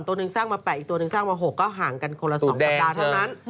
ตัวหนึ่งสร้างมา๘อีกตัวหนึ่งสร้างมา๖ก็ห่างกันคนละ๒สัปดาห์เท่านั้น